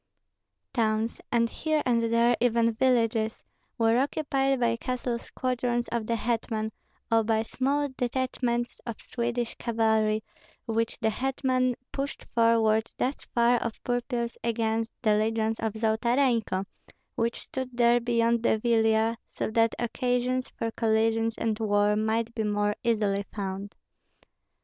Towns, and here and there even villages, were occupied by castle squadrons of the hetman, or by small detachments of Swedish cavalry which the hetman pushed forward thus far of purpose against the legions of Zolotarenko, which stood there beyond the Vilia, so that occasions for collisions and war might be more easily found.